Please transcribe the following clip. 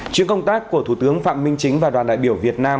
chuyến công tác của thủ tướng phạm minh chính và đoàn đại biểu việt nam